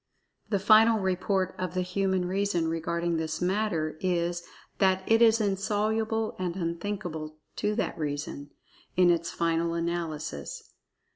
The final report of the human reason regarding this matter is that it is insoluble and unthinkable to that reason, in its final analysis.